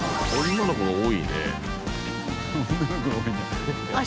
女の子が多いんだ。